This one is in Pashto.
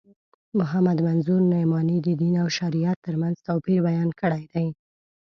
محمد منظور نعماني د دین او شریعت تر منځ توپیر بیان کړی دی.